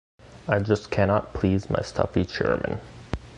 I just cannot please my stuffy chairman.